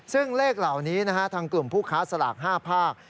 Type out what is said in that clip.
ซึ่งเลขเหล่านี้ทางกลุ่มผู้ค้าสลาก๕ภาค